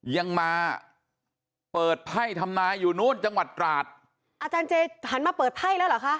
ยังมาเปิดไพ่ทำนายอยู่นู้นจังหวัดตราดอาจารย์เจหันมาเปิดไพ่แล้วเหรอคะ